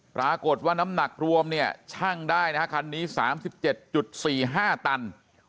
ปรากฏว่าน้ำหนักรวมเนี่ยชั่งได้นะฮะคันนี้๓๗๔๕ตัน